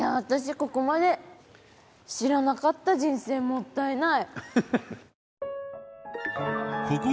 ここまで知らなかった人生もったいない。